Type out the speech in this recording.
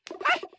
はい！